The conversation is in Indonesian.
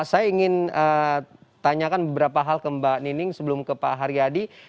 saya ingin tanyakan beberapa hal ke mbak nining sebelum ke pak haryadi